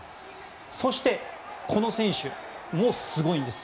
そして、この選手もすごいんです。